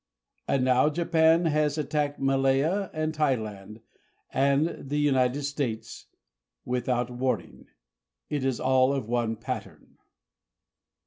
And now Japan has attacked Malaya and Thailand and the United States without warning. It is all of one pattern.